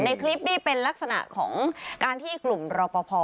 คลิปนี้เป็นลักษณะของการที่กลุ่มรอปภ